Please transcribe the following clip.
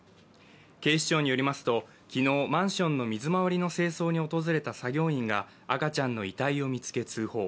警視庁によりますと昨日、マンションの水回りの清掃に訪れた作業員が赤ちゃんの遺体を見つけ通報。